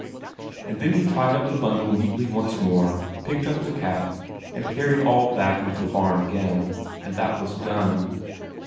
And then he tied up the bundle neatly once more, picked up the cap, and carried all back into the barn again. And that was done.